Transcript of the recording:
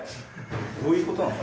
どういうことなんだ？